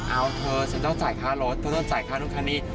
เอาเธอฉันต้องจ่ายค่ารถเธอต้องจ่ายค่านู้นค่านี้